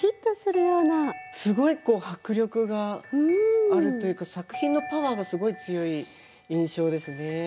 すごいこう迫力があるというか作品のパワーがすごい強い印象ですね。